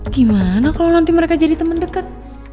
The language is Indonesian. gimana kalau nanti mereka jadi temen deket